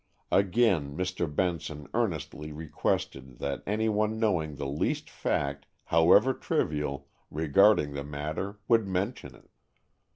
Again Mr. Benson earnestly requested that any one knowing the least fact, however trivial, regarding the matter, would mention it.